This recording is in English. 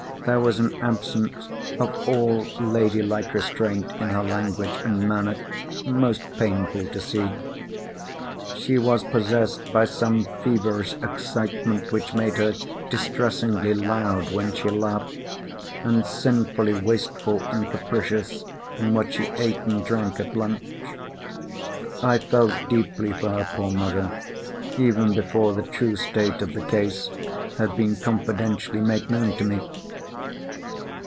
There was an absence of all lady like restraint in her language and manner most painful to see. She was possessed by some feverish excitement which made her distressingly loud when she laughed, and sinfully wasteful and capricious in what she ate and drank at lunch. I felt deeply for her poor mother, even before the true state of the case had been confidentially made known to me.